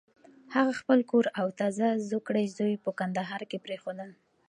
هغه خپل کور او تازه زوکړی زوی په کندهار کې پرېښودل.